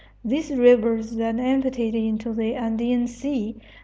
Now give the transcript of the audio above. These rivers then emptied into the Andean Sea.